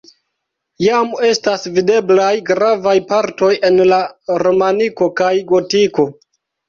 Jam estas videblaj gravaj partoj en la romaniko kaj gotiko.